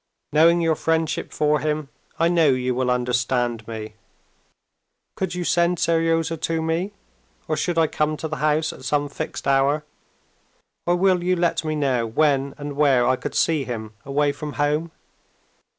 Knowing your friendship for him, I know you will understand me. Could you send Seryozha to me, or should I come to the house at some fixed hour, or will you let me know when and where I could see him away from home?